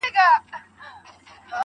هغه اوس كډ ه وړي كا بل ته ځي_